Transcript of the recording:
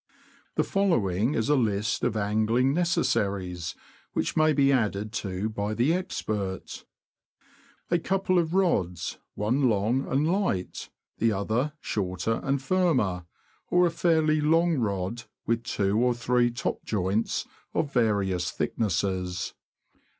The following is a list of angling necessaries, which may be added to by the expert : A couple of rods, one long and light, the other shorter and firmer; or a fairly long rod, with two or three top joints, of various thicknesses.